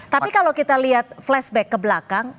tapi kalau kita lihat flashback ke belakang